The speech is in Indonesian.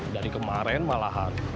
dari kemarin malahan